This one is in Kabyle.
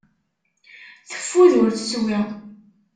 Teffud ur teswi.